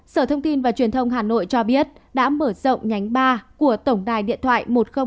sở thông tin và truyền thông hà nội cho biết đã mở rộng nhánh ba của tổng đài điện thoại một nghìn hai mươi hai